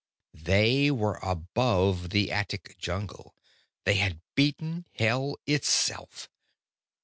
They were above the attic jungle; they had beaten Hell itself.